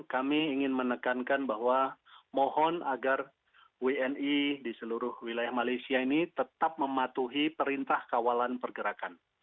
kami ingin menekankan bahwa mohon agar wni di seluruh wilayah malaysia ini tetap mematuhi perintah kawalan pergerakan